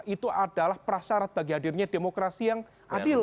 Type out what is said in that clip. itu adalah prasyarat bagi hadirnya demokrasi yang adil